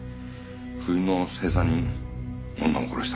不倫の清算に女を殺した。